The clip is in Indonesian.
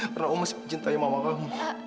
karena om masih mencintai mama kamu